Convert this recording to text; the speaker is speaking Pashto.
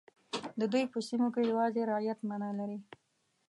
د دوی په سیمو کې یوازې رعیت معنا لري.